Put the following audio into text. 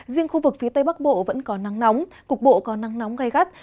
riêng khu vực phía tây bắc bộ vẫn có nắng nóng cục bộ có nắng nóng gai gắt